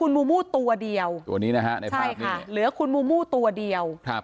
เหลือคุณมูมูตัวเดียว